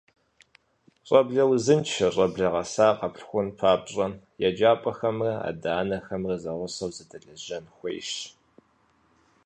Щӏэблэ узыншэ, щӏэблэ гъэса къэгъэхъун папщӏэ еджапӏэхэмрэ адэ-анэхэмрэ зэгъусэу зэдэлэжьэн хуейщ.